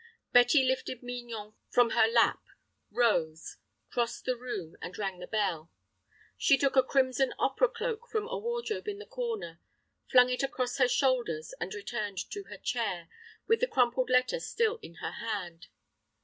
Betty lifted Mignon from her lap, rose, crossed the room, and rang the bell. She took a crimson opera cloak from a wardrobe in the corner, flung it across her shoulders, and returned to her chair, with the crumpled letter still in her hand.